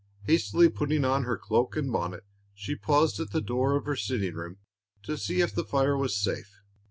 Hastily putting on her cloak and bonnet, she paused at the door of her sitting room to see if the fire was safe.